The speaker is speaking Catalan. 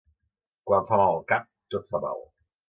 Quan fa mal el cap, tot fa mal.